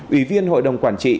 ủy viên hội đồng quản trị